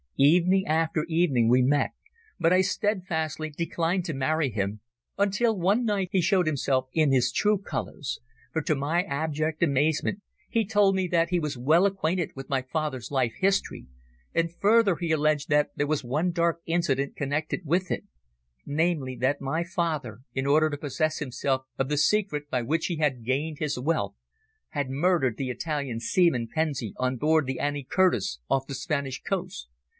Evening after evening we met, but I steadfastly declined to marry him, until one night he showed himself in his true colours, for to my abject amazement he told me that he was well acquainted with my father's life story, and further he alleged that there was one dark incident connected with it namely that my father, in order to possess himself of the secret by which he had gained his wealth, had murdered the Italian seaman, Pensi, on board the Annie Curtis off the Spanish coast.